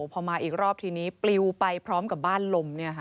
พอมาอีกรอบทีนี้ปลิวไปพร้อมกับบ้านลม